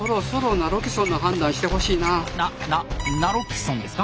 ナナナロキソンですか？